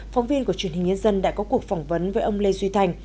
phóng viên của truyền hình nhân dân đã có cuộc phỏng vấn với ông lê duy thành